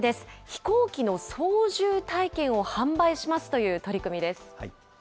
飛行機の操縦体験を販売しますという取り組みです。